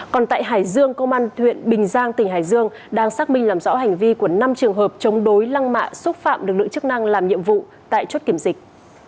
còn tại hải dương công an huyện bình giang tỉnh hải dương đang xác minh làm rõ hành vi của năm trường hợp chống đối lăng mạ xúc phạm lực lượng chức năng làm nhiệm vụ tại chốt kiểm dịch